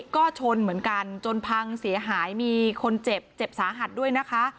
ก็ชนเหมือนกันจนพังเสียหายมีคนเจ็บเจ็บสาหัสด้วยนะคะ